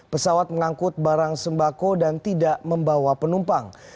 pesawat mengangkut barang sembako dan tidak membawa penumpang